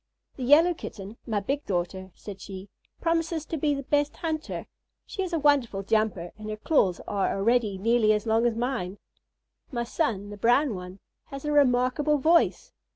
"The yellow Kitten, my big daughter," said she, "promises to be the best hunter: she is a wonderful jumper, and her claws are already nearly as long as mine. My son, the brown one, has a remarkable voice.